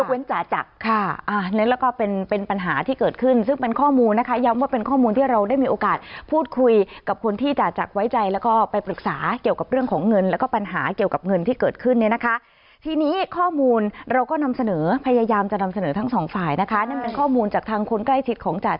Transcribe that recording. แล้วก็เป็นเป็นปัญหาที่เกิดขึ้นซึ่งเป็นข้อมูลนะคะย้ำว่าเป็นข้อมูลที่เราได้มีโอกาสพูดคุยกับคนที่จ่าจักรไว้ใจแล้วก็ไปปรึกษาเกี่ยวกับเรื่องของเงินแล้วก็ปัญหาเกี่ยวกับเงินที่เกิดขึ้นเนี่ยนะคะทีนี้ข้อมูลเราก็นำเสนอพยายามจะนำเสนอทั้งสองฝ่ายนะคะนั่นเป็นข้อมูลจากทางคนใกล้ชิดของจ่า